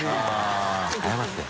△繊謝って。